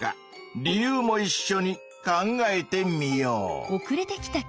理由もいっしょに考えてみよう。